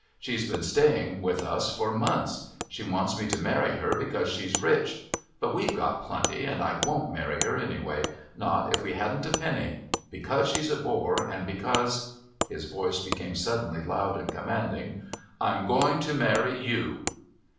She's been staying with us for months. She wants me to marry her because she's rich. But we've got plenty, and I wouldn't marry her anyway, not if we hadn't a penny. Because she's a bore, and because" his voice became suddenly loud and commanding "I'm going to marry you."